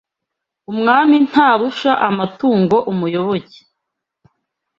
Umwami ntarusha amatungo umuyoboke